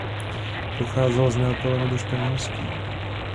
Pocházel z Neapole nebo Španělska.